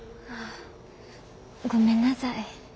ごめんなさい。